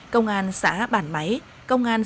công an xã bản máy công an